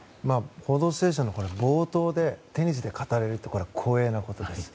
「報道ステーション」の冒頭でテニスで語れるって光栄なことです。